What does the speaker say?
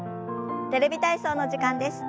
「テレビ体操」の時間です。